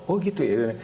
oh gitu ya